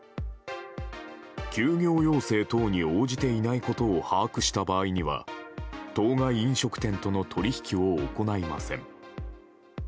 休業要請等に応じていないことを把握した場合には当該飲食店との取引を行いません。